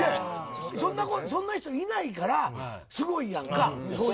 そんな人いないからすごいやんか。